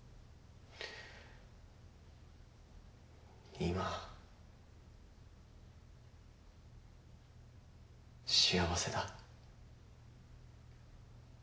今幸せだ。